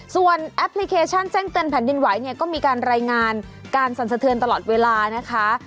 ส่วนแอปพลิเคชันแจ้งเตือนแผ่นดินไหวเนี่ยก็มีการรายงานการสั่นสะเทือนตลอดเวลานะคะ